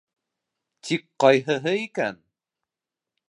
Тик ҡайһыһы икән?..